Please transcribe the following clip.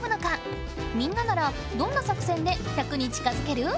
みんなならどんな作戦で１００に近づける？